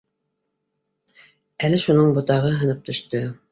Әле шуның ботағы һынып төштө